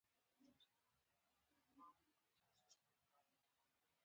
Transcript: پیاله د دوبي تنده ماته کړي.